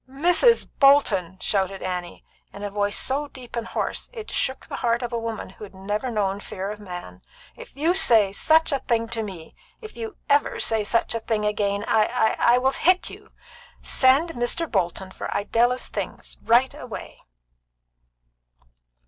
"Mrs. Bolton!" shouted Annie, in a voice so deep and hoarse that it shook the heart of a woman who had never known fear of man. "If you say such a thing to me if you ever say such a thing again I I I will hit you! Send Mr. Bolton for Idella's things right away!"